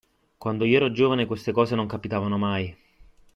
Quando io ero giovane queste cose non capitavano mai.